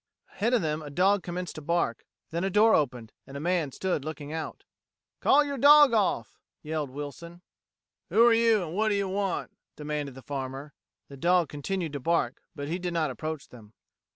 Ahead of them a dog commenced to bark; then a door opened, and a man stood looking out. "Call your dog off," yelled Wilson. "Who are you, and what do you want?" demanded the farmer. The dog continued to bark, but he did not approach them.